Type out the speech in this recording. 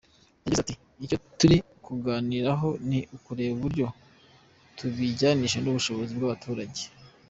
Yagize aati “Icyo turi kuganiraho ni ukureba uburyo tubijyanisha n’ubushobozi bw’abaturage.